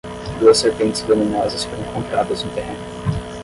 Duas serpentes venenosas foram encontradas no terreno